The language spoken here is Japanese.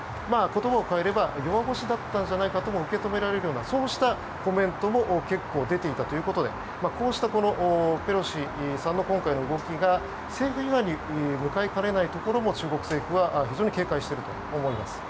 言葉を変えれば弱腰だったんじゃないかとも受け取れるようなそうしたコメントも結構出ていたということでこうしたペロシさんの今回の動きが政府批判に動きかねないところも中国政府は非常に警戒していると思います。